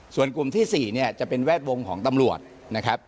ส่วนกลุ่มที่สี่จะเป็นแวดวงของตำรวจ